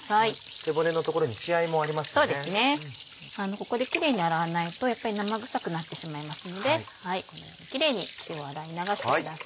ここでキレイに洗わないとやっぱり生臭くなってしまいますのでこのようにキレイに血を洗い流してください。